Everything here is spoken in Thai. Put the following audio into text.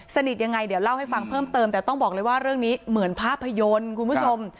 สนิทยังไงเดี๋ยวเล่าให้ฟังเพิ่มเติมแต่ต้องบอกเลยว่าเรื่องนี้เหมือนภาพยนตร์คุณผู้ชม